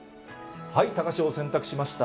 高潮を選択しました。